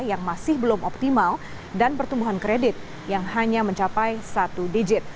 yang masih belum optimal dan pertumbuhan kredit yang hanya mencapai satu digit